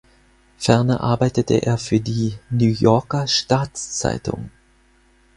Ferner arbeitete er für die "New Yorker Staats-Zeitung".